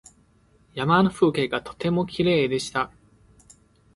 山の風景がとてもきれいでした。